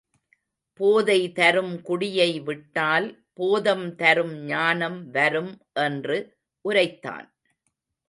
போதை தரும் குடியை விட்டால் போதம் தரும் ஞானம் வரும் என்று உரைத்தான்.